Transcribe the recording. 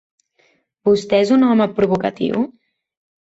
Vostè és un home provocatiu?